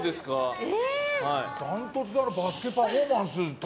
ダントツなのはバスケパフォーマンス。